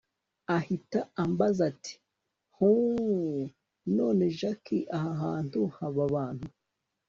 ahita ambaza ati hhhm! nonese jack! aha hantu haba abantu